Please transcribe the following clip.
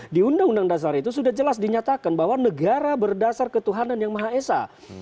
di undang undang dasar itu sudah jelas dinyatakan bahwa negara berdasar ketuhanan yang maha esa